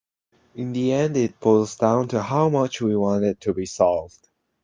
In the end it boils down to how much we want it to be solved.